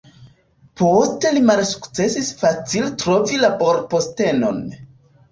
Poste li malsukcesis facile trovi laborpostenon.